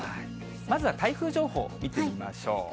まずは台風情報、見てみましょう。